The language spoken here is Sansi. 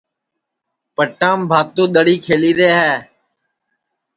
پٹام بھاتُو دؔڑی کھیلی رے ہے